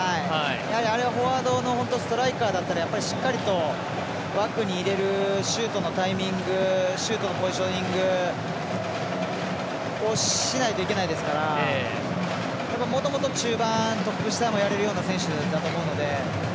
やはり、フォワードのストライカーだったらしっかりと枠に入れるシュートのタイミング、シュートのポジショニングをしないといけないですからもともと中盤トップ下もやれるような選手だと思うので。